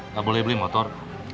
tak boleh beli motor